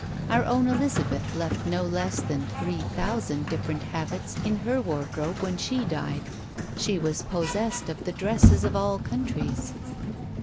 Our own Elizabeth left no less than three thousand different habits in her wardrobe when she died. She was possessed of the dresses of all countries.